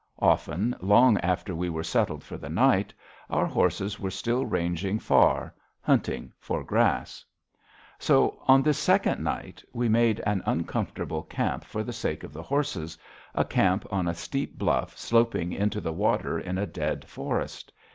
Often, long after we were settled for the night, our horses were still ranging far, hunting for grass. So, on this second night, we made an uncomfortable camp for the sake of the horses, a camp on a steep bluff sloping into the water in a dead forest.